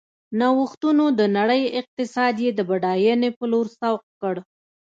نوښتونو د نړۍ اقتصاد یې د بډاینې په لور سوق کړ.